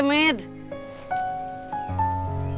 kemet memang di danau